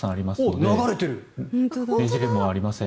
ねじれもありません。